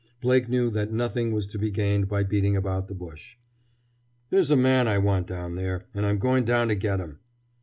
Blake knew that nothing was to be gained by beating about the bush. "There's a man I want down there, and I'm going down to get him!"